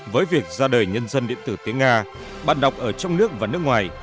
với việc ra đời nhân dân điện tử tiếng nga bạn đọc ở trong nước và nước ngoài